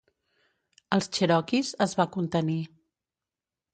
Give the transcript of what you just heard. Els cherokees es va contenir.